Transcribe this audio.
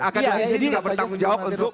akademi ini tidak bertanggung jawab untuk